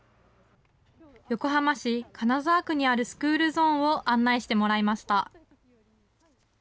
横浜市金沢区にあるスクールゾーンを案内してもらいました。